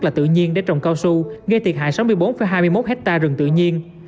là tự nhiên để trồng cao su gây thiệt hại sáu mươi bốn hai mươi một hectare rừng tự nhiên